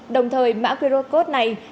đồng thời mã qr code này